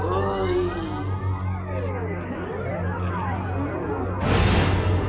kami harus lamernya annon dan menangkap orang lain